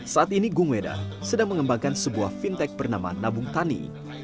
saat ini gung weda sedang mengembangkan sebuah fintech bernama nabung tani